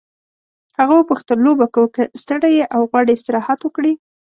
هغه وپوښتل لوبه کوو که ستړی یې او غواړې استراحت وکړې.